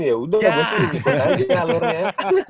yaudah lah gue tuh gitu aja